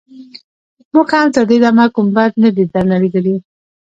موږ هم تر دې دمه کوم بد نه دي درنه ليدلي.